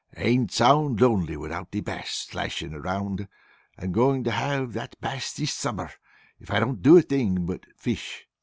"And sound lonely without the Bass slashing around! I am going to have that Bass this summer if I don't do a thing but fish!"